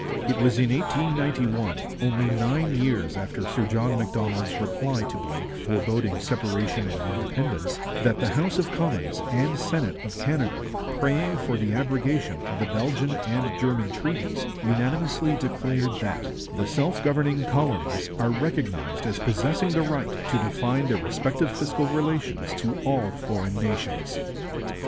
It was in 1891, only nine years after Sir John Macdonald's reply to Blake foreboding separation and independence, that the House of Commons and Senate of Canada, praying for the abrogation of the Belgian and German treaties, unanimously declared that 'the self governing colonies are recognized as possessing the right to define their respective fiscal relations to all foreign nations.'